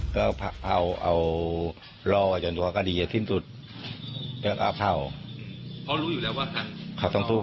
ก็เอารอจนกว่าคดีจะสิ้นสุด